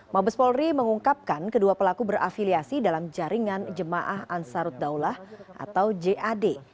mabes polri mengungkapkan kedua pelaku berafiliasi dalam jaringan jemaah ansarut daulah atau jad